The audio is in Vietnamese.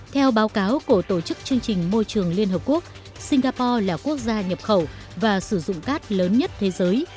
theo báo cáo của tổ chức chương trình môi trường liên hợp quốc singapore là quốc gia nhập khẩu và sử dụng cát lớn nhất thế giới